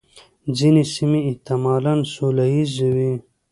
ځینې سیمې احتمالاً سوله ییزې وې.